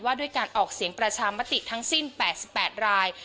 ด้วยการออกเสียงประชามติทั้งสิ้น๘๘ราย